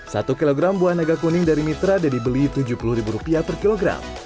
satu kilogram buah naga kuning dari mitra dan dibeli rp tujuh puluh per kilogram